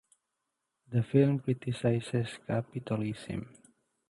The film criticises capitalism.